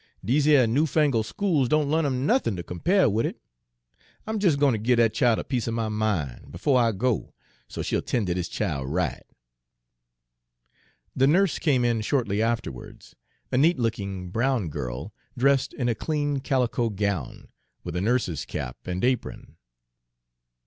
Dese yer new fangle' schools don' l'arn 'em nothin' ter compare wid it. I'm jes' gwine ter give dat gal a piece er my min', befo' I go, so she'll ten' ter dis chile right." The nurse came in shortly afterwards, a neat looking brown girl, dressed in a clean calico gown, with a nurse's cap and apron.